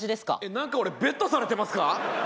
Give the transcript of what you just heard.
なんか俺ベットされてますか？